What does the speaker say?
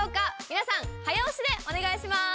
皆さん早押しでお願いします。